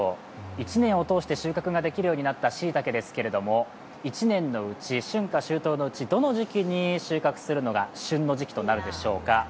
１年を通して収穫ができるようになったしいたけですが１年の春夏秋冬のうち、どの時期に収穫するのが旬の時期となるでしょうか。